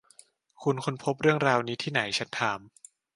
คุณค้นพบเรื่องราวนี้ที่ไหน ? ฉันถาม